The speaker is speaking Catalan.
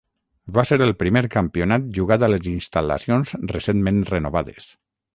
Va ser el primer campionat jugat a les instal·lacions recentment renovades.